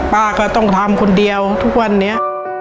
ป้าก็ต้องทำคนเดียวทุกวันนี้